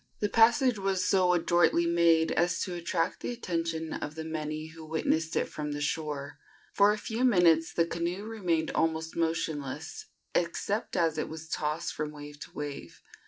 The passage was so adroitly made as to attract the attention of the many who witnessed it from the shore. For a few minutes the canoe remained almost motionless, except as it was tossed from wave to wave.